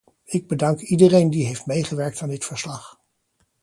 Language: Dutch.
Ik bedank iedereen die heeft meegewerkt aan dit verslag.